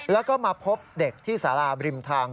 แล้วก็มาพบเด็กที่สาราบริมทาง